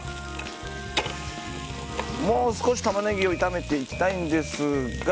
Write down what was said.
もう少しタマネギを炒めていきたいんですが。